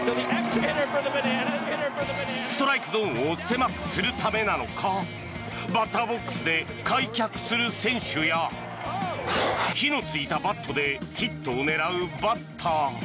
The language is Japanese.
ストライクゾーンを狭くするためなのかバッターボックスで開脚する選手や火のついたバットでヒットを狙うバッター。